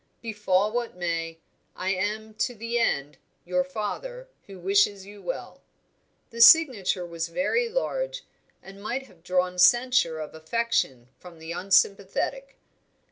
Befall what may, I am to the end your father who wishes you well." The signature was very large, and might have drawn censure of affectation from the unsympathetic.